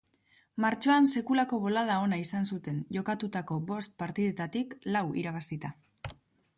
Martxoan sekulako bolada ona izan zuten jokatutako bost partidetatik lau irabazita.